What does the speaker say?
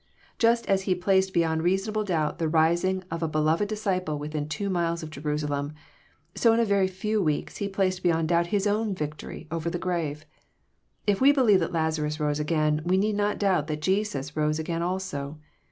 Just as He placed beyond reasonable doubt the rising again of a beloved disciple within two miles of Jerusalem, so in a very few weeks He placed beyond doubt His own victory over the grave. If we believe that Lazarus rose again, we need not doubt that Jesus rose again also.